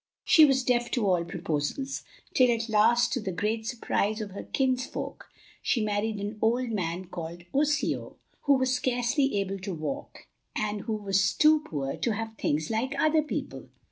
She was deaf to all proposals, till at last to the great surprise of her kinsfolk she married an old man called Osseo, who was scarcely able to walk, and who was too poor to have things like other people.